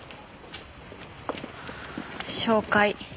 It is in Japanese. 紹介。